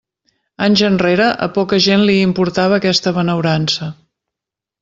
Anys enrere a poca gent li importava aquesta benaurança.